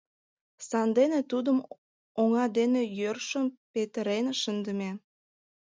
Сандене тудым оҥа дене йӧршын петырен шындыме.